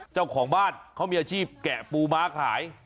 เจ้าของบ้านเขามีอาชีพแกะปูม้าขาย